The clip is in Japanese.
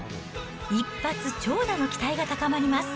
一発長打の期待が高まります。